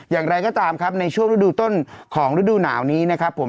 อย่างไรก็ตามครับในช่วงฤดูต้นของฤดูหนาวนี้นะครับผม